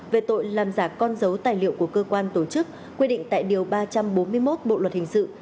về tội làm giả con dấu tài liệu của cơ quan tổ chức quy định tại điều ba trăm bốn mươi một bộ luật hình sự